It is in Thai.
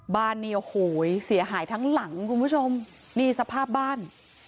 บ้านเนี่ยโอ้โหเสียหายทั้งหลังคุณผู้ชมนี่สภาพบ้าน